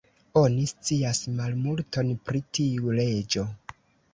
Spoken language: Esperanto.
Oni scias malmulton pri tiu reĝo.